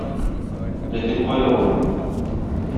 Ләкин кая ул!